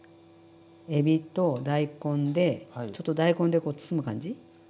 えびと大根でちょっと大根でこう包む感じ。